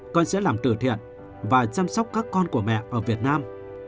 con sẽ làm từ thiện và chăm sóc các con của mẹ ở việt nam